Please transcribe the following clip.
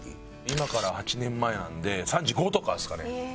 今から８年前なんで３５とかですかね。